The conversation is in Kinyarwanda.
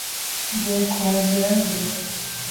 Ngiye kuhagera mbere.